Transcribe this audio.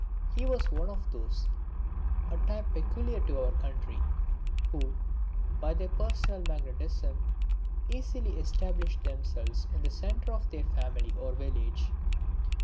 He was one of those a type peculiar to our country who, by their personal magnetism, easily establish themselves in the centre of their family or village.